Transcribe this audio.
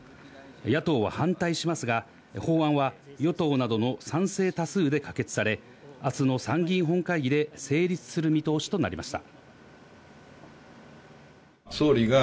野党は反対しますが法案は与党などの賛成多数で可決され、あすの参議院本会議で成立する見通しとなりました。